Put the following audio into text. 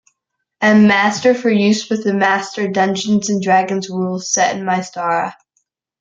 M-Master for use with the Master "Dungeons and Dragons" rules, set in Mystara.